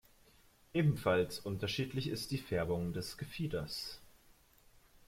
Ebenfalls unterschiedlich ist die Färbung des Gefieders.